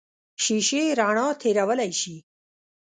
شیشې رڼا تېرولی شي.